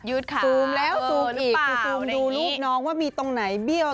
รู้สึกโดยน้องน้องว่ามีตรงไหนเบี้ยว